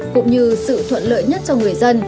cũng như sự thuận lợi nhất cho người dân